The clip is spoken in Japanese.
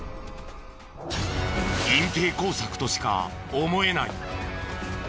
隠蔽工作としか思えない。